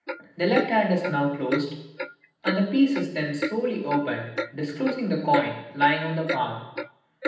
The left hand is now closed and the piece is then slowly opened, disclosing the coin lying on the palm.